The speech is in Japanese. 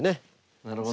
なるほど。